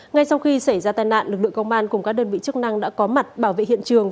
ngay sau khi xảy ra tai nạn lực lượng công an cùng các đơn vị chức năng đã có mặt bảo vệ hiện trường